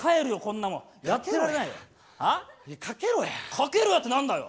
かけろやって何だよ？